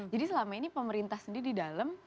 jadi selama ini pemerintah sendiri di dalam